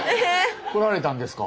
来られたんですか。